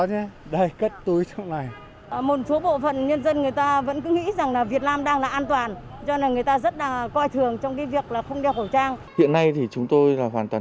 hiện nay thì chúng tôi là hoàn toàn